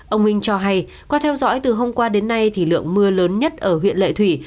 ông minh cho hay qua theo dõi từ hôm qua đến nay thì lượng mưa lớn nhất ở huyện lệ thủy